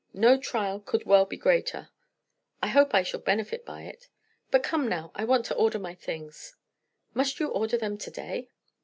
No trial could well be greater. I hope I shall benefit by it. But come now; I want to order my things." "Must you order them to day?"